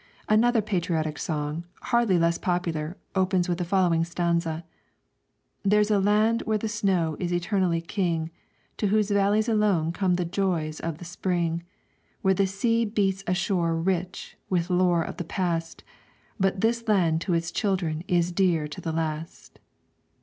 Another patriotic song, hardly less popular, opens with the following stanza: "There's a land where the snow is eternally king, To whose valleys alone come the joys of the spring, Where the sea beats a shore rich, with lore of the past, But this land to its children is dear to the last."